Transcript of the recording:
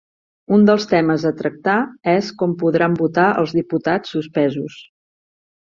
Un dels temes a tractar és com podran votar els diputats suspesos